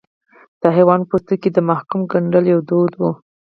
د حیوان په پوستکي کې د محکوم ګنډل یو دود و.